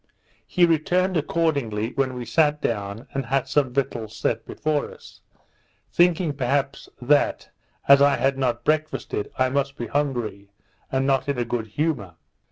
He returned accordingly; when we sat down, and had some victuals set before us, thinking perhaps that, as I had not breakfasted, I must be hungry, and not in a good humour.